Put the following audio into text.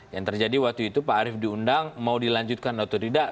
yang terjadi waktu itu pak arief diundang mau dilanjutkan atau tidak